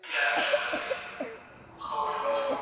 ژبه مو له ښکنځلو او بدو وساتئ.